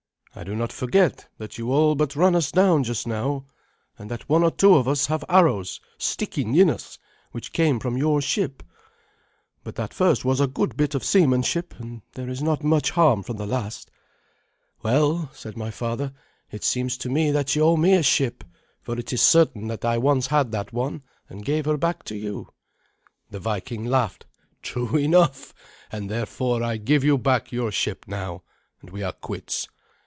I do not forget that you all but ran us down just now, and that one or two of us have arrows sticking in us which came from your ship. But that first was a good bit of seamanship, and there is not much harm from the last." "Well," said my father, "it seems to me that you owe me a ship, for it is certain that I once had that one, and gave her back to you." The Viking laughed. "True enough, and therefore I give you back your ship now, and we are quits.